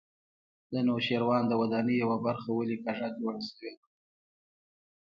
د نوشیروان د ودانۍ یوه برخه ولې کږه جوړه شوې وه.